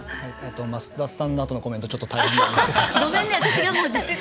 増田さんのあとのコメントちょっと大変なんですけど。